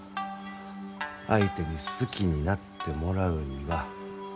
相手に好きになってもらうには。